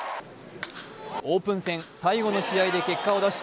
オープン戦最後の試合で結果を出し